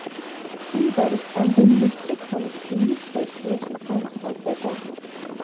სიმღერის რამდენიმე სტრიქონი ფილმის ვერსიაში განსხვავდება.